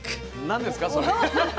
何ですかそれ？